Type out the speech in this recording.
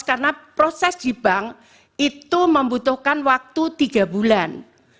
karena proses di bank itu membutuhkan waktu tiga bulan